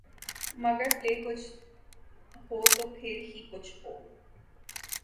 مگر پلے کچھ ہو تو پھر ہی کچھ ہو۔